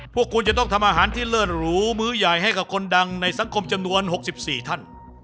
พวกคุณจะต้องทำอาหารที่เลิศหรูมื้อใหญ่ให้กับคนดังในสังคมจำนวน๖๔ท่าน